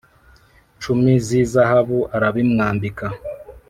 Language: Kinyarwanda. cumi z izahabu arabimwambika